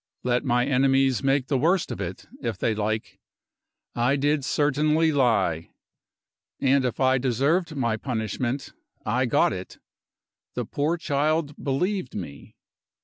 Let my enemies make the worst of it, if they like I did certainly lie. And if I deserved my punishment, I got it; the poor child believed me!